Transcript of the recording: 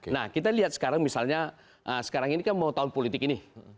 nah kita lihat sekarang misalnya sekarang ini kan mau tahun politik ini